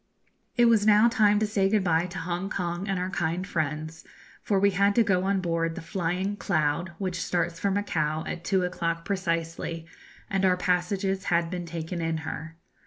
It was now time to say good bye to Hongkong and to our kind friends, for we had to go on board the 'Flying Cloud,' which starts for Macao at two o'clock precisely, and our passages had been taken in her.